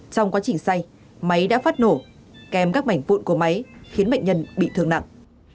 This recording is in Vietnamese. trong quá trình say máy đã phát nổ kèm các mảnh vụn của máy khiến bệnh nhân bị thương nặng